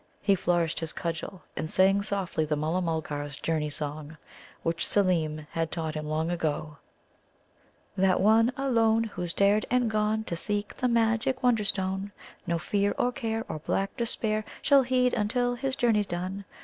He flourished his cudgel, and sang softly the Mulla mulgars' Journey Song which Seelem had taught him long ago: "That one Alone Who's dared, and gone To seek the Magic Wonderstone, No fear, Or care, Or black despair, Shall heed until his journey's done.